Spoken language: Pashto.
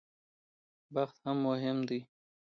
بخت هم مهم دی.